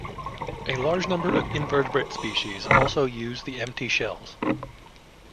A large number of invertebrate species also use the empty shells.